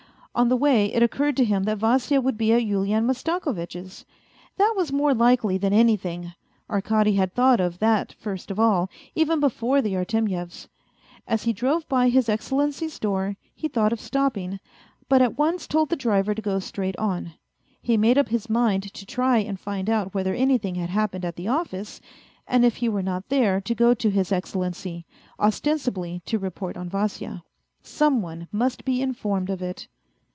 On the way it occurred to him that Vasya would be at Yulian Mastako vitch's. That was more likely than anything : Arkady had thought of that first of all, even before the Artemyevs'. As he drove by His Excellency's door, he thought of stopping, but at once told the driver to go straight on. He made up his mind to try and find out whether anything had happened at the office, and if he were not there to go to His Excellency, ostensibly to report on Vasya. Some one must be informed of it.